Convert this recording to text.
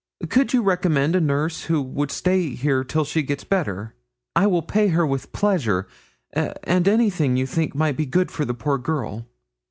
Could you recommend a nurse who would stay here till she's better? I will pay her with pleasure, and anything you think might be good for the poor girl.'